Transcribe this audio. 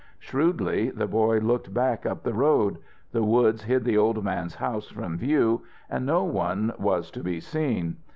Shrewdly the boy looked back up the road; the woods hid the old man's house from view, and no one was to be seen.